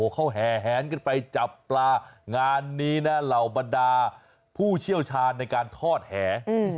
เขาแห่แหนกันไปจับปลางานนี้นะเหล่าบรรดาผู้เชี่ยวชาญในการทอดแห